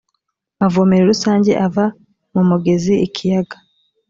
mavomero rusange ava mu mugezi ikiyaga